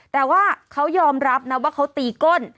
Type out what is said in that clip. แต่ว่าเขายอมรับนะว่าเขาตีก้น